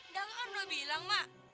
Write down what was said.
ndaka kan udah bilang mak